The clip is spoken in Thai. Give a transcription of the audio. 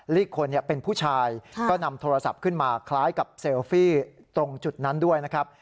อีกคนเป็นผู้ชายก็นำโทรศัพท์ขึ้นมาคล้ายกับเซลฟี่ตรงจุดนั้นด้วยนะครับ